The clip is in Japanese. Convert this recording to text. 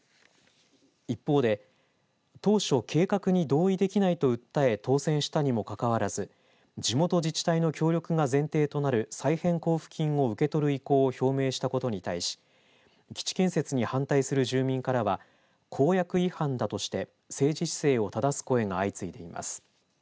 一方で当初、計画に同意できないと訴え当選したにもかかわらず地元自治体の協力が前提となる再編交付金を受け取る意向を表明したことに対し基地建設に反対する住民からは公約違反だとして政治姿勢をただす声が相次いでいます。